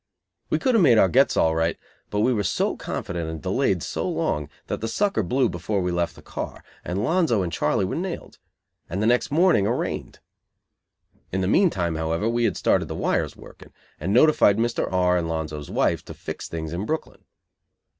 We could have made our gets all right, but we were so confident and delayed so long that the sucker blew before we left the car, and Lonzo and Charlie were nailed, and the next morning arraigned. In the meantime, however, we had started the wires working, and notified Mr. R. and Lonzo's wife to "fix" things in Brooklyn.